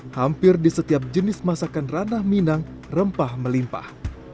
hampir di setiap jenis masakan ranah minang rempah melimpah